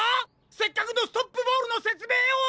せっかくのストップボールのせつめいを。